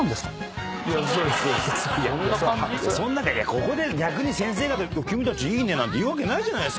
ここで逆に先生方「君たちいいね」なんて言うわけないじゃないですか。